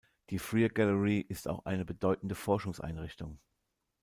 Die Freer Gallery ist auch eine bedeutende Forschungseinrichtung.